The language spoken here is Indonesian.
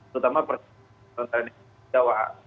terutama perusahaan perusahaan jawa